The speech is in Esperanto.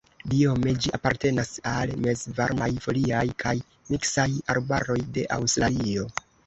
Biome ĝi apartenas al mezvarmaj foliaj kaj miksaj arbaroj de Aŭstralio.